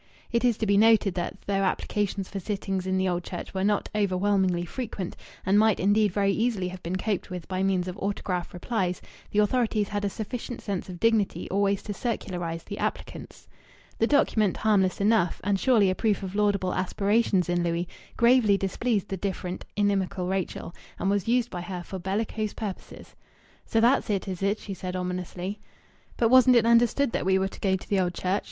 It is to be noted that, though applications for sittings in the Old Church were not overwhelmingly frequent, and might indeed very easily have been coped with by means of autograph replies, the authorities had a sufficient sense of dignity always to circularize the applicants. This document, harmless enough, and surely a proof of laudable aspirations in Louis, gravely displeased the different, inimical Rachel, and was used by her for bellicose purposes. "So that's it, is it?" she said ominously. "But wasn't it understood that we were to go to the Old Church?"